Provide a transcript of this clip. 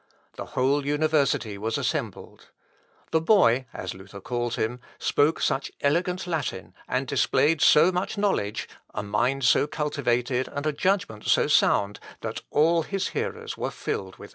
The whole university was assembled. The boy, as Luther calls him, spoke such elegant Latin, and displayed so much knowledge, a mind so cultivated, and a judgment so sound, that all his hearers were filled with admiration.